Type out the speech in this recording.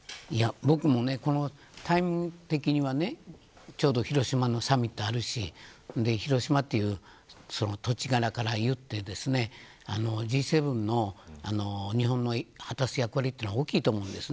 僕もタイミング的にはちょうど広島のサミットがあるし広島という土地柄からいってＧ７の日本の果たす役割は大きいと思います。